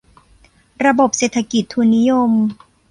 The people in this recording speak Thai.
ระบบเศรษฐกิจทุนนิยม